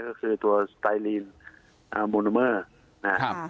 ก็คือตัวอีฟมุนมอร์ครับ